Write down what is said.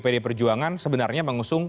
pdi perjuangan sebenarnya mengusung